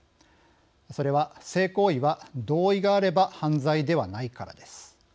それは、性行為は同意があれば犯罪ではないからです。